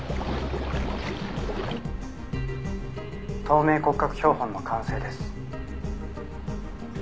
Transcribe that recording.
「透明骨格標本の完成です」